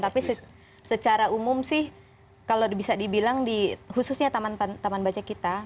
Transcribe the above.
tapi secara umum sih kalau bisa dibilang di khususnya taman baca kita